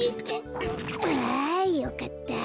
あよかった。